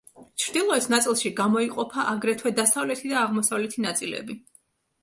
ჩრდილოეთ ნაწილში გამოიყოფა აგრეთვე დასავლეთი და აღმოსავლეთი ნაწილები.